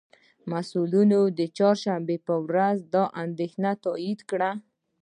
مسئولینو د چهارشنبې په ورځ دا پېښه تائید کړه